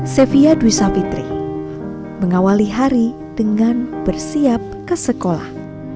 sevilla duisa fitri mengawali hari dengan bersiap ke sekolah